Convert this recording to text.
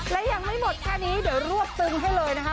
และยังไม่หมดแค่นี้เดี๋ยวรวบตึงให้เลยนะคะ